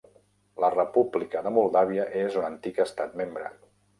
La República de Moldàvia és un antic Estat membre.